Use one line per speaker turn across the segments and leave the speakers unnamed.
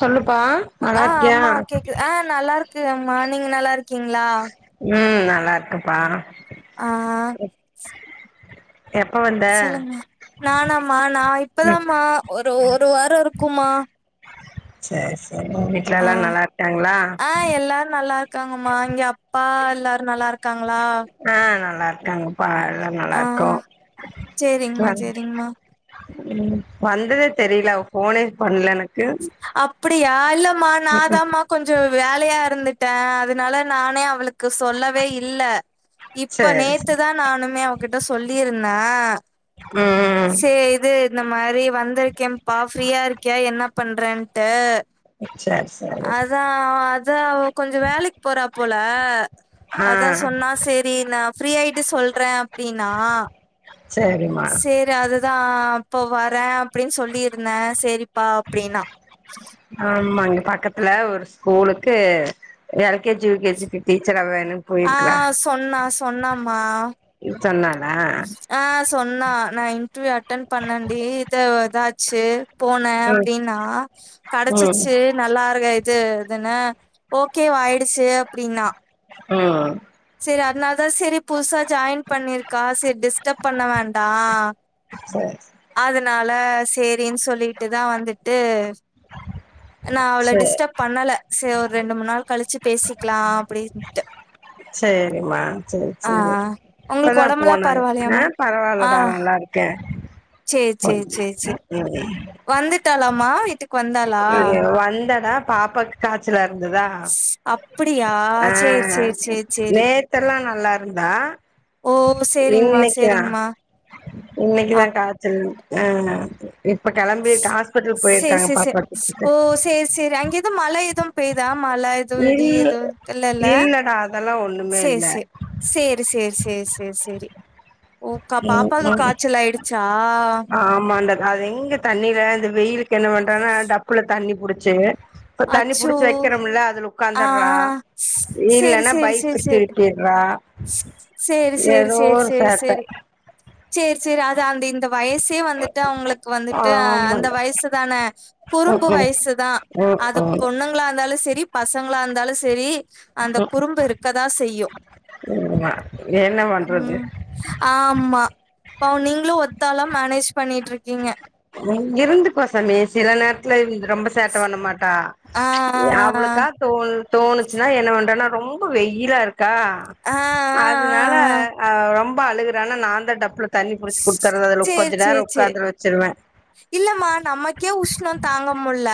சொல்லு
ஆஹ் ஆமா கேக்குது ஆஹ் நல்லா இருக்கு அம்மா நீங்க நல்லா இருக்கீங்களா
ம் நல்லா இருக்கெப்பா
ஆஹ்
எப்ப வந்த
சொல்லுங்க நானமா நான் இப்பத
ம்
ஒரு ஒரு வாரம் இருக்குமா
சரி சரி வீட்ல எல்லா
ஆஹ்
நல்லா இருக்காங்களா
ஆஹ் எல்லாரு ல்ல இருக்காங்கம்மா இங்க அப்பா எல்லாரும் நல்லா இருக் இருக்காங்களா
இருக்கா ப எல்லாம் நல்லா
ஆ
இருக்கோம்
சேரிங்மா சேரிங்மா
உம் வந்ததே தெரியல ஃபோனே பண்ணல எனக்கு
அப்படியா இல்லமா
ம்ஹூம்
நாதமா கொஞ்சோ வேலையா இருந்துட் ட்டன் அதனால நானே அவளுக் சொல்லவே இல்ல இப்ப
சரி சரி
நேத்துதான் நானுமே அவகிட்ட சொல்லியிருந்தேன்
ம்
செரி இது இந்த மாதிரி வந்திருக்கேன் பா ஃப்ரீயா இருக்கியா என்ன பண்றேன்ட்டு
சரி சரி
அதான் அதான் கொஞ்சோ வேலைக்கு போறா போல
ஆ
அதான் சொன்னா செரி நான் ஃப்ரீயாயிட்டு சொல்றேன் அப்படினா
சரிம்மா
செரி அதுதான் அப்போ வரேன் அப்படின்னு சொல்லியிருந்தேன் சரிப்பா அப்படின்னா
அங்க பக்கத்துல ஒரு ஸ்கூலுக்கு எல்கேஜி யூகேஜி டீச்சரா வே
ஆஹ் சொன்னா சொன்னாமா
சொன்னாளா
ஆ சொன்னா நான் இன்டர்வியூ அட்டன் பண்ணண்டி இத ஏதாச்சு போனேன்
ம்
அப்படின்னா
ம்
கடைச்சிச்சு நல்லாருக இ இதுன ஓகேவாயிடுச்சு அப்படின்னா
உம்
செரி அதனால தான் செரி புதுசா ஜாயின் பண்ணிருக்கா செரி டிஸ்டர்ப் பண்ண வேண்டாம்
செரி
அதனால செரின்னு சொல்லிட்டுதான் வந்துட்டு நான் அவ்ள
சரி
டிஸ்டர்ப் பண்ணல செ ரெண்டு மூணு நாள் கழிச்சு பேசிக்கலாம் அப்படின்ட்டு
செரிமா செரி
ஆ
செரி
உங்களுக்கு
இப்பதா
உடம்பெல்லாம்
போனேன்
பரவாயில்லையாம்மா?
ஆஹ் பரவாயில்லடா நல்லா இருக்கேன்
செரி செரி செரி செரி வந்துட்டால ம்மா வீட்டு
வந்தனா பாப்பக்கு காச்சல இரு ந்ததா
அப்படியா? சரி,
ஆஹ்
சரி, சரி, சரி.
நேத்தெல்லாம் நல்லா இருந்தா
ஓ! சரிங்கம்மா,
இன்னைக்குதான்
சரிங்கம்மா. அப்
இன்னைக்குதான் காச்சல் உம் இப்ப கிளம்பிட்டு ஹாஸ்பிட்ல் போயிருக்காங்க பாக்க
ஸ்ஓ சேரி சேரி அங்கதும் மழை எதுவும் பெய்தா மல இது இடி
இல்
இது இல்லல்ல
இல்லடா அதெல்லா ஒண்ணுமே
சேரி
இல்ல
சேரி சேரி சேரி சேரி சேரி சேரி சேரி ஓக்கா
ம்
பாப்பாக்கு
ம்
காய்ச்சல் ஆயிடுச்சா
ஆமாண்டா அது எங்க தண்ணில இந்த வெயிலுக்கு என்ன பண்றன்னா டப்புல தண்ணி புடிச்சு இப்ப தண்ணி
அச்சோ
புடிச்சு வைக்கிறோம்ல அதுல
ஆ
உட்காந்துடுறா
ஆ
இல்ன்னா பைப்பு திருப்பிடுறா
ஸ்சேரி சேரி சேரி சேரி
சேட்ட
சேரி சேரி சேரி அது அந்த இந்த வயசே வந்துட்டு அவங்களுக்கு வந்துட்டு அந்த
ஆமாண்டா
வயசுதான
ம்
குறும்பு
ம்
வயசுதான் அது
ம் ம்
பொண்ணுங்களா இருந்தாலும் சேரி பசங்களா இருந்தாலும் சேரி அந்த குறும்பு இருக்கதா செய்யும்
ஆமா என்ன பண்றது
பாவோநீங்களும் ஒத்தாலாம் மேனேஜ் பண்ணிட்டு இருக்கீங்க
இருந்துப்ப சாமி சில நேர த்தில ரொம்ப சேட்டை பண்ண மாட்டா
ஆ
அவளுக்கா தோ தோணுச்சுன்னா என்ன பண்றனா ரொம்ப வெயிலா இருக்கு கா
ஆ ஆ ஆ
அதனால
ஆ
ரொம் அழுகுறானா நான்த டப்புல தண்ணி புடிச்சி கொடுத்துறது அதுல கொஞ்ச
சேர்
நேரம்
சேர் சேர்
உட்காந்துர வச்சிருவேன்
இல்லமா நமக்கே உஷ்ணம் தாங்க முட்ல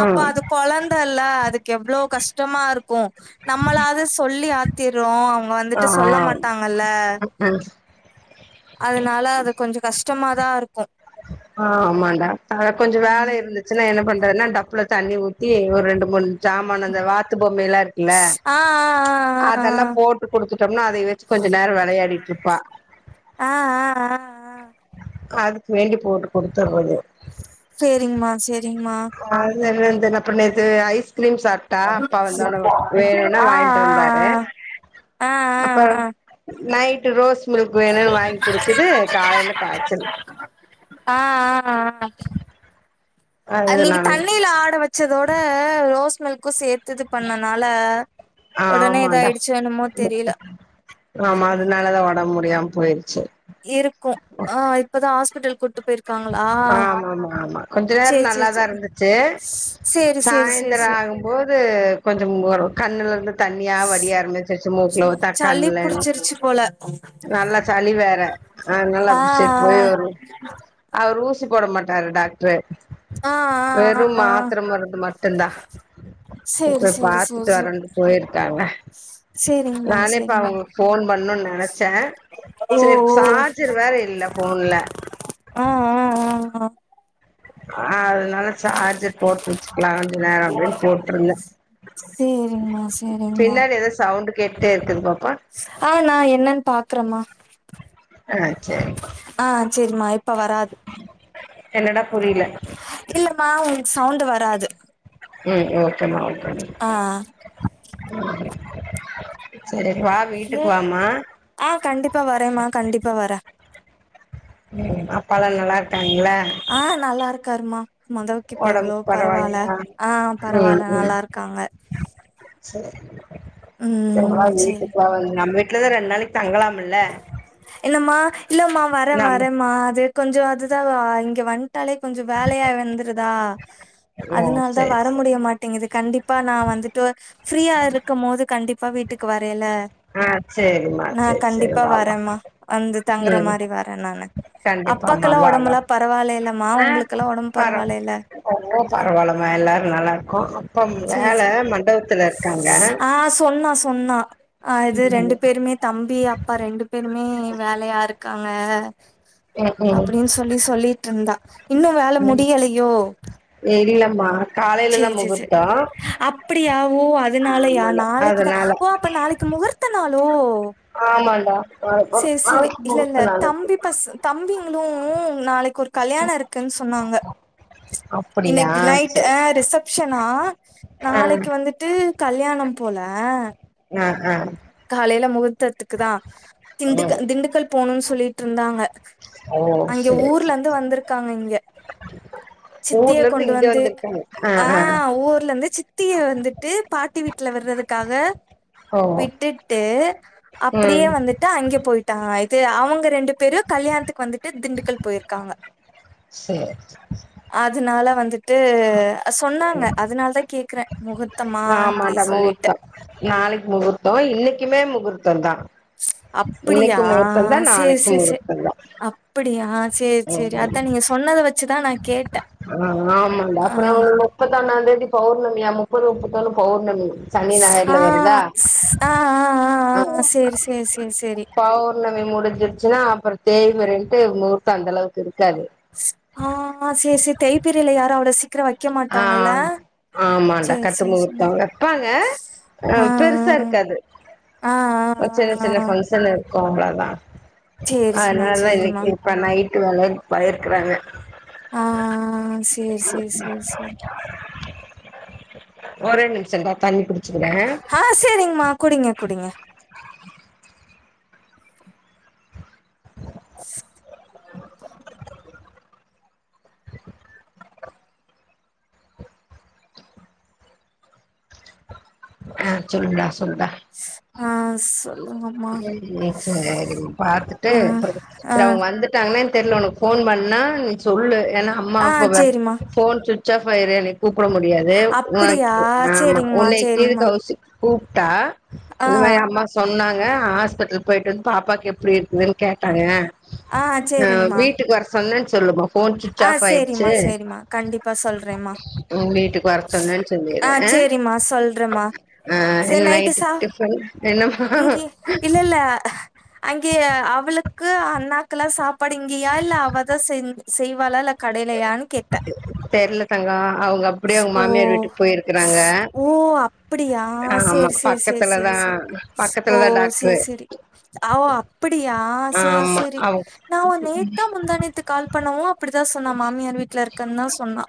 அப்ப அது குழந்தல்ல அதுக்கு எவ்வளோ கஷ்டமா இருக்கும் நம்மளாவது சொல்லி ஆத்திரோம் அவங்க
ஆ
வந்துட்டு சொல்ல மாட்டாங்கல்ல
ம்
அதனால அது கொஞ்சம் கஷ்டம் கஷ்டமா தான் இருக்கு
ஆஹ் ஆமாடா அத கொஞ்சம் வேலை
ம்
இருந்துச்சுன்னா என்ன பண் டப்புல தண்ணி ஊத்தி ஒரு ரெண்டு மூணு சமானான் அந்த வாத்து பொம்மைய எல்லாம் இருக்குல்ல
ஆ ஆ
அதெல்லாம்
ஆ
போட்டு கொடுத்து ம்னா அத வச்சு கொஞ்ச நேரம் வெளையாடிட்டு இருப்பான்
ஆ ஆ ஆ ஆ
அதுக்கு வேண்டி போட்டு கொடுடத்தருது
செரிங்கமா செரிங்கமா
ஆஹன தன அ பண்ணது ஐஸ் கிரீம் சாப்பாட அப்பா வந்த உன வேணும்னா
ஆ ஆ
வாங்கிட்டு வந்தாரு
ஆ ஆ ஆ
அப்பறம் நைட் ரோஸ் மில்க் வேணும்னு வாங்கி குடிச்சது காலையில காய்ச்சல்
ஆ ஆ ஆ நீங்க
அதுனால
தண்ணில ஆட வச்சதோட ரோஸ் மில்க் சே ஒடனே
ஆஆமாண்ட
இதாயிடுச்சோ என்னமோ தெரில
ஆமா அதனாலதான் உட முடியமா போயடுச்சு
இருக்கும் ஆஹ் இப்தான்ஹ [unintelligible] கூட்டுப்பெ
ஆமா ஆமா ஆமா கொஞ்ச நேரம்
சேர் சேர் சேர்
நல்லாதான் இருந்துச்சு
சேரி சேரி சேரி
சாயந்தரம்
சேரி
ஆகும்போது கொஞ்சம் ஒரு கண்ணுல இருந்து தண்ணியா வடி ஆரமிச்சு வச்சு மூக்குல
ம் சளி
தக்காளலன்னு
புடிச்சிருச்சு போல
நல்லா சளி வேற அதனால
ஆ
அப்படி ச போய் வரு அவர் ஊசி போட மாட்டாரு டாக்ட்ரு
ஆ ஆ ஆ ஆ
வெறு
ஆ
மாத்தரமருந்து ம தந்தா
சேரி
செத்த
சேரி
பாத்து
சேரி சேரி
பெரன்ட்டு போய்ருக்காங்க
சேரிங்மா
நானே இப்ப
சேரிங்மா
அவுங்களு ஃபோன் பண்ணுனு நெனச்சேன்
ஓ
சேரி
ஓ
சார்ஜர் வேற இல்ல ஃபோன்ல
ஆ ஆ ஆ
அது சார்ஜர் போட்டுச்சுக்கலா நேர அப்டின் போட்ருந்தேன்
சேரிங்மா சேரிங்மா
பின்னாடி ஏதோ சவுண்டு கேட்டே இருக்குதுங்க
ஆ நா என்னன் பாக்கறமா
ஆ சரி
ஆ செரிமா இப்ப வராது
என்னடா புரில
மா உங்சவுண்டு வராது
ம் ம்
ஆ
[inaudible] செரி வா
இது
வீட்டுக் வாமா
ஆ கண்டிப்பா வரேம்மா கண்டிப்பா வரேன்
ம் அப்பலா நல்லா இருக்காங்களா
ஆஹ் நல்லா இருக்காருமா மொதலுக்கு இப்ப எவ்ளவோ
ஒடம்புக்கு
பரவால்ல
பரவால்லையா
ஆஹ் பரவால்ல நல்லா இருக்காங்க
செ
ம்
[unintelligible] வீட்டுக்கா [unintelligible] இல்லனா ரென்ட் நாளைக்
என்னமா இல்லமா வரே
நம்ம
வரேமா அது கொஞ்ச அது [unintelligible] இங்க வந் ட்டாலே கொஞ்ச வேலயா வந்ருதா
ஓ
அதனாலதா
சரி
வர
சரி
முடிய மாட்டேங்குது கண்டிப்பா நா வந்துட்டு ஃப்ரீயா இருக்கும்போது கண்டி ப்பா வீட்டுக்கு வரயல
ஆஹ் சேரிமா சேர் சேர் வாவா
வரேம்மா வந்து தங்குற
உம்
மாரி வரே நானு
கண்டிப்பாமா
அப்பாக்கெல்லா
வா வா
ஒடம்பெல்லா பரவாயில்லைலமா
ஹ
உங்களுக்கெல்லா ஒடம்பு
பர
பரவாயில்லைல
பரவால்லமா எல்லாரு நல்லா இருக்கோ அப்பா
சேரி
வேல
சேரி
மண்டவுத்துல இருக்காங்க
உன்னா அது ரெண்டு
ம்
பேருமே தம்பியா ப்ப ரெண்டு பேருமே வேலயாரு க்காங்க
ம்
அப்டின் சொல்லி சொல்லிட்ருந்தா இன்னு வேல முடியலையோ
மா
சேரி சேரி சேரி அப்படியாவோ அதனாலயா
ஆமால
நாளைக்குதா
அதனால
ஓ அப்ப நாளைக்கு முகூர்த்த நாளோ
ஆமாண்டா நாளைக்கு
சேரி சேரி
நாளைக்கு
இல்ல இல்ல
முகூர்த்த நாள் இருக்கு
தம்பி பச தம்பிங்களு நாளைக் கு ஒரு கல்யாணோ இருக்குன்னு சொன்னாங்க
அப்படியா
இன்னைக்கி நைட்
சரி
ஆ
சரி
ரிசப்ஷனா
ஆ
நாளைக்கி வந்துட்டு கல்யாணம் போலா
ஆ ஆ
காலைல முகூர்த்தத்துக்குதா
ம்
திண்டுக்க திண்டுக்கல் போகணுன்னு சொல்லி ட்ருந்தாங்க
ஓ
அங்க
சேரி
ஊர்ல இருந்து வந்திருக்காங்க இங்க சித்திய
ஊர்ல இருந்து
கொண்டு
இங்க
வந்து
வந்திருக்காங்க ஆ ஆ
ஆஹ் ஊர்ல இருந்து சித்திய வந்துட்டு பாட்டி வீட்ல விர்றதுக்காக
ஓ
விட்டுட்டு அப்படியே
ம்
வந்துட்டு அங்க போயிட்டாங்க ஆயி த்து அவங்க ரெண்டு பேரு கல்யாணத்துக்கு வந்து ட்டு திண்டுக்கல் போயிருக்காங்க
சேரி சேர் சேர்
அதனால வந்துட்டு சொன்னாங்க அதனால தான் கேக்குறே முகூர்த்தமா அப்படி
ஆமாட முக்கூ
சொல்லிட்டு
தான் நாளைக [inaudible] ம் இன்னைக்குமே முகூர்த்தம்தான்
அப்படியா?
இன்னைக்கு முகூர்த்தம் தான்
சரி,
நாளைக்கு முகூர்த்தம் தான்
செரி செரி அதான் நீங்க சொன்னத வச்
ஆஹ் ஆமாட
ஆ.
அப்புறம் முப்பத்த ஒன்னாம்ந்தேதி பவு பௌர்ணமிா முப்பதுரு முப்பத்தோல பௌர்ணமி சனி ஞாயர்ல வருதா
ஆஹ் ஆஹ்ஹ்ஹ்ஹ் செரி செரி செரி செரி
இருச்சுன்னா அப்புறம் தேய்ம ரின்ட்டு முகூர்த்தம் அந்த அளவுக்கு இருக்காது
ஆஹ் செரி செரி தைப்பெரியில யாரோ அவ்வளோ சீக்கிரம் வ
ஆஹ் ஆமாடா கட்டு
சரி, சரி.
முகூர்த்தங்க வைப்பாங்க
ஆ,
பெருசா இருக்காது
ஆ, ஆ,
சின்ன
ஆ,
சின்ன
ஆ.
ஃபங்க்ஷன் கோம்பளதான்
சரிம்மா,
அதனால தான் இன்னைக்கு
சரிம்மா.
இப்ப நட வேல பயிருக்குறாங்க
ஆஹ் செரி செரி செ செரி
ஒரே நிமிஷம்டா தண்ணி குடி
ஆஹ் செரிங்ம்மா குடிங்க குடிங்க [inaudible]
[inaudible] ஆஹ் சொல்லுடா சொல்லுடா
ஸ் ஆஹுஸ்
உம் செரி பாத்துட்டு
ஆ,
அப்புறம்
ஆ,
செரி அவங்க வந்துட்டாங்கன்ன தெரியல உனக்கு ஃபோன் பண்ணா சொல்லுது ஏன்னா அம்மா
ஆ,
அப்ப
சரிம்மா.
ஃபோன் [unintelligible] ஃப்ரை கூப்பிட முடியாது உ
அப்டியா
ஆமா
சேரிங்மா
உன்னைக்கு இது
சேரிங்மா
கவுசி கூப்டா
ஆ
உம்மைய அம்மா சொன்னாங் ஹாஸ்பிட்டல் போயிட்டு வந்து பாப்பாக்கு எப்படி இருக்குதுன்னு கேட்டாங்க
ஆ
ஆஹ்
சேரிங்மா
வீட்டுக்கு வர சொன்னே சொல்லுவோம் ஃபோன் சுவ்ட்சு
ஆ
ஆஃப் ஆயிடுச்சு
சேரிம்மா சேரிம்மா கண்டிப்பா சொல்றேம்மா
உ வீட்டுக்கு வர சொண்ணேன்
ஆ
சொல்லிரு
சேரிம்மா சொல்றேம்மா
ஆஹ்
சேர்
என்ன
நைட்டு
நைட்டுக்கு
சா
டிஃபன் என்னம்மா
இங்கயே இல்ல இல்ல அங்கே அவளுக்கு அண்ணாக்குல்லாம் சாப்பாடுங்கயா இல்ல அவதான் சேர்ந்து செய்வாலல கடையிலையான்னு கேட்டேன்
தெர்ல தங்கோ அவங்க அப்டியே அவங்க
ஓ
மாமியார்
ஓ
வீட்டுக்கு போயிருக்கறாங்க
ஸ் அப்படியா
ஆமா
சேரி சேரி சேரி
பக்கத்துலதா
சேரி சேரி ஸ் ஓ
பக்கத்துலதா டாக்ட்ரு
சேரி சேரி ஆ அப்படியா சேரி
ஆமா
சேரி
அவ்
நான் உ நேத்தா முந்தாணேத்து கால் அப்படித்தான் சொன்னா மாமியார் வீட்டுல இருக்கு தான் சொன்னா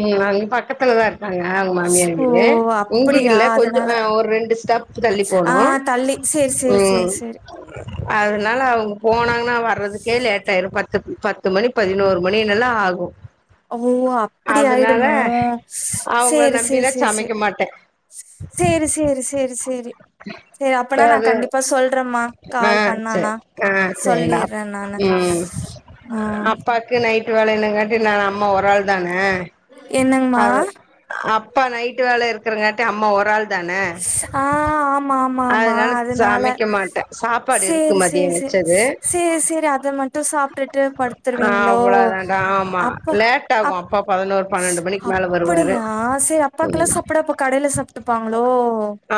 ம் அங்க பக்கத்துலதா இருக்காங்க அவங்க மாமியார்
ஓ
வீடு இங்க
அப்படியா
இல்ல கொஞ்சம்
அதனால
ஒரு ரெண்டு ஸ்டப் தள்ளி
ஆ
போனு
தள்ளி சரி சரி சரி சரி
அதனால அவங்க போனாங்கனா வர்றதுக்கே லேட் ஆயிரும் பத்து பத்து மணி பதினோரு மணினுல்லா ஆகும்
ஓ அப்படி ஆயுடுமோ
அவங்கள
சேரி சேரி
நம்பிலா
சேரி சேரி
சமைக்க மாட்டே
சேரி சேரி சேரி சேரி செரி அப்பனா
இப்ப
நான்
அது
கண்டிப்பா சொல்றேம்மா
ஆ
கால்
சரி
பண்ணானா
ஆ சரிடா
சொல்லிடுறேன் நானு ஸ் ஆஹ
நைட்டு் வேலையன்னுங்காட்டி நான் அம்மா ஒரள் தானே
என்னங்கமா
அது அப் அப்பா நைட் வேலை இருக்கறங்கட்டி அம்மா ஒரு ஆள் தான
ஸ் ஆஹ ஆம் ஆமா ஆமா அதனால
சமைக்க மாட்டே சாப்பாடு இருக்கு
செரி
மதிய
செரி செரி
வச்சது
செரி செரி அத மட்டு சாப்ட்டுட்டு
ஆ
படுத்துருவீங்களோ
அவ்ளோதான்டா ஆமா
அப்ப
லேட் ஆகு
அப்
அப்பா பதினோரு பன்னெண்டு மணிக்கு மேல வருவாரு
அப்படியா செரி அப்பாக்குல்லா சாப்பாடு அப்போ கடைல சாப்ட்டுப்பாங் ளோ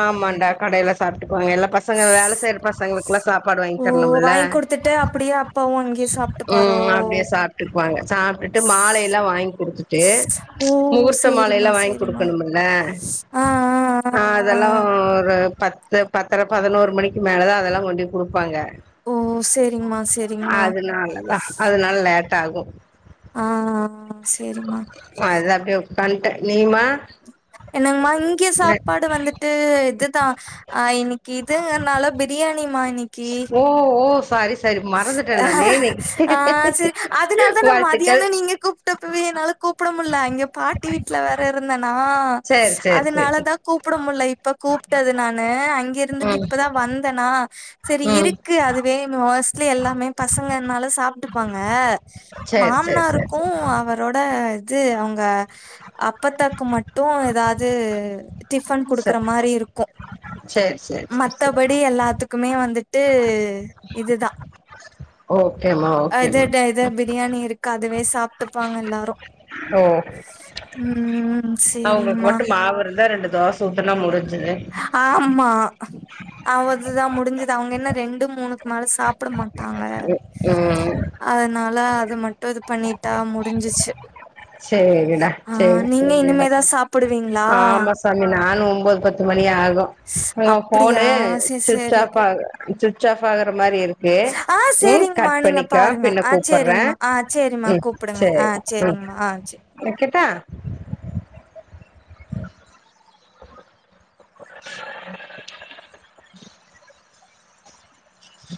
ஆமாண்டா கடையில சாப்ட்டு பாங்க எல்லா பசங்க வேலை செய்ற பசங்களுக் சாப்பாடு வாங்கி
ஓ
தரணும்ல
வாங்கி குடுத்துட்டு அப்படியே அப்பாவு அங்கேயே சாப்ட்டுப்பாரோ
ம் அப்டியே சாப்ட்டுக்குவாங்க சாப்ட்டுட்டு மாலையில வாங்கி கொடுத்து த்தே
ஓ
முகூர்த்த
சேரிம்மா
மாலைல்லா வாங்கி
சேரிம்மா
கொடுக்கணுமல்ல
ஆ ஆ ஆ ஆ
அதெல்லா ஒரு பத்து பத்ர பதினோரு மணிக்கு மேலதா அதெல்லா கொண்டோயி கொடுப்பாங்க
ஓ சேரிங்மா சேரிங்மா
அதனால தா அதனால லேட் ட்டார்க்கு
ஆ சேரிம்மா
அத அப்டியே பண்ட்டே நீ மா
என்னங்கமா இங்கே சாப்பாடு வந்துட்டு இது தா ஆ இனிக்கு இதனால பிரியாணி மா
ஓ ஓ பாரிஸ்
ஸ் ஆ ஆஹ் செரி அதனால தா நான்
வாழ்த்துக்கள்
மதியான நீங்க கூப்ட்டப்பவே என்னால கூப்ட முடில இங்க பாட்டி வீட்ல வேற இருந்தனா ஸ்ஸ்
சேரி சேரி சேரி
அதனால
சேரி
தா கூப்புட முடில இப்ப கூப்பிட்டது நானு அங்க இருந்துட்டு
ம்
இப்ப தா வந்தனா செரி
ம்
இருக்கு அதுவே ஒஸ் ட்ல எல்லாமே பசங்கனால சாப்பிட்டுப்பாங்க
சேரி சேரி சேரி
மாம்னாருக்கும்
சேரி
அவரோட இது அவுங்க அப்பதாக்கு மட்டு எதாது ந்து டிஃபன்
ச
குடுக்கற மாரி இருக்கும்
சேரி சேரி சேரி சேரி
மத்தபடி எல்லாத்துக்குமே வந்து விட்டு இது தா
ஓகேமா ஓகேமா
அதட இத பிரியாணி இருக்கு அதுவே சாப்ட்டுப்பாங்க எல்லாரும்
ஓ
ம்ம்
அவங்களுக்கு மட்டு மாவிருந்தா தா ரெண்டு தோச ஊத்துனா முடி
ஆமா அவது தா முடிஞ்சது அவங்க என்ன ரெண்டு மூணுக்கு மேல சாப்ட மாட்டாங்க
ம்
அதனால [unintelligible] அது மட்டும் இது பண்ணிட்டா முடிஞ்சுச்சு
சேரிடா சேரி சேரிடா
இனிமேதா சாப்புடுவீங்களா
ஆமா சாமி ன நானும் ஒம்பது பத்து மணி ஆக [unintelligible]
அப்டியா
போனு
சேரி சேரி
சுச்சாப் ஆப் ஆகுற மாரி இருக்கு
ஆ
உம்
சேரிங்கம்மா
கட்
நீங்க
பண்ணிக்க
பாருங்க
பின்ன
ஆ
கூப்படுறேன்
சேரிங்கம்மா ஆ சேரிம்மா
உம்
கூப்புடுங்க
சரி
ஆ
ம்
சேரிங்கம்மா ஆ சரி.
வக்கட்டா [inaudible]